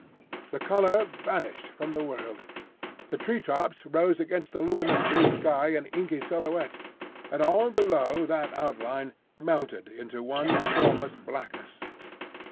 The colour vanished from the world. The tree tops rose against the luminous blue sky in inky silhouette, and all below that outline melted into one formless blackness.